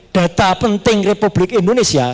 data penting republik indonesia